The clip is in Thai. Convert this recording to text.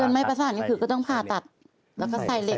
ถ้าเกิดไม้ประสาทก็ต้องผ้าตัดแล้วก็ใส่เหล็ก